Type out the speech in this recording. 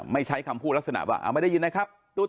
ใช้คำพูดลักษณะว่าไม่ได้ยินนะครับ